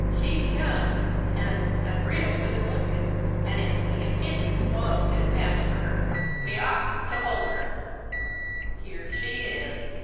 She's young and and real good lookin', and it would be a pity to spile a good match for her. We oughtn't to hold her here she is.